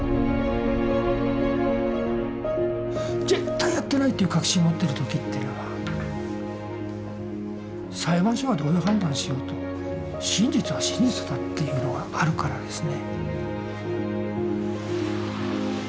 絶対やってないっていう確信持ってるときっていうのは裁判所がどういう判断しようと真実は真実だっていうのがあるからですね。